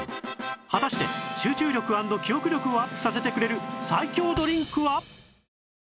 果たして集中力＆記憶力をアップさせてくれる最強ドリンクは！？